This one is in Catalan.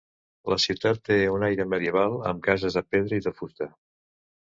La ciutat té un aire medieval amb cases de pedra i de fusta.